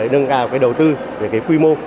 nâng cao cái đầu tư về cái quy mô